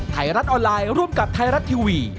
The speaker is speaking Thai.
ไทยรัฐออนไลน์ร่วมกับไทยรัฐทีวี